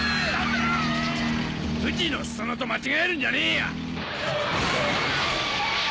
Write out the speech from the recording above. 富士の裾野と間違えるんじゃねえよ！